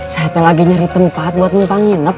saya lagi mencari tempat untuk menginap